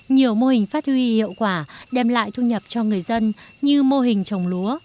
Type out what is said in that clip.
nhiều mô hình phát huy hiệu quả đem lại thu nhập cho người dân như mô hình trồng lúa